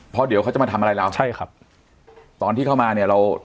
เพราะเดี๋ยวเขาจะมาทำอะไรเราใช่ครับตอนที่เข้ามาเนี่ยเรา